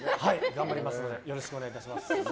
頑張りますのでよろしくお願いいたします。